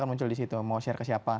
muncul di situ mau share ke siapa